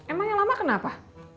emang yang lama kenapa